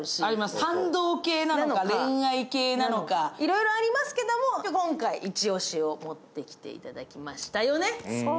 感動系なのか恋愛系なのか、いろいろありますけれども、今回イチ押しを持ってきていただきましたよね。